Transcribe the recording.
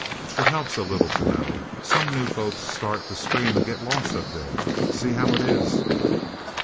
It helps a little to know. Some new folks start to scream and get lost, up there. See how it is?"